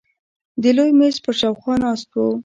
د لوی مېز پر شاوخوا ناست وو.